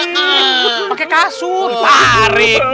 pak d pakai kasur tarik